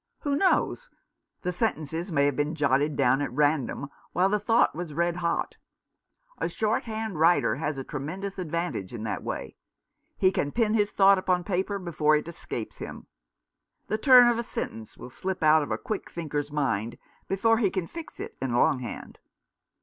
" Who knows ? The sentences may have been jotted down at random, while the thought was red hot. A short hand writer has a tremendous advantage in that way. ;• He can pin 211 Rough Justice. his thought upon paper before it escapes him. The turn of a sentence will slip out of a quick thinker's mind before he can fix it in long hand.